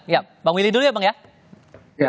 ya bang willy dulu ya bang ya